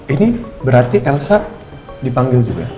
ini berarti elsa dipanggil juga